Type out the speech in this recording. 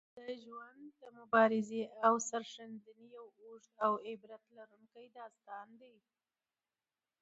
د ده ژوند د مبارزې او سرښندنې یو اوږد او عبرت لرونکی داستان دی.